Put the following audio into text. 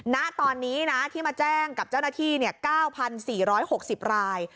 ณตอนนี้นะที่มาแจ้งกับเจ้าหน้าที่๙๔๖๐ราย